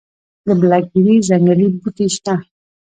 د بلک بیري ځنګلي بوټي شته؟